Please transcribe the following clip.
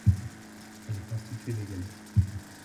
Elle est constituée de galets.